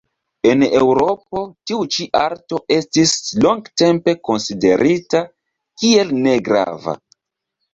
En Eŭropo, tiu ĉi arto estis longtempe konsiderita kiel negrava.